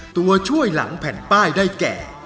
ตัวช่วยหลังแผ่นป้ายได้แก่